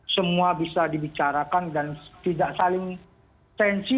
semua bisa dibicarakan dan tidak saling tensi